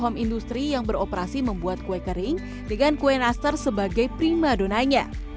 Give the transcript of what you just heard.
home industry yang beroperasi membuat kue kering dengan kue nastar sebagai prima donanya